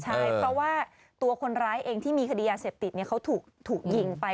ใช่เพราะว่าตัวคนร้ายเองที่มีคดียาเสพติดเขาถูกยิงไป